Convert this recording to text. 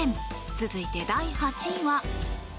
続いて、第８位は。